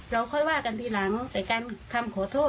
เราค่อยว่ากันทีหลังแต่การคำขอโทษ